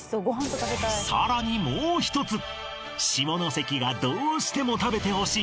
さらにもう一つ下関がどうしても食べてほしい